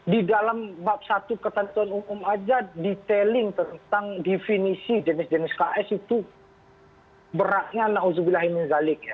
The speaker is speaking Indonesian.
di dalam bab satu ketentuan umum aja detailing tentang definisi jenis jenis ks itu beratnya ⁇ uzubillahimin galik ya